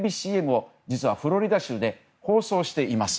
ＣＭを実はフロリダ州で放送しています。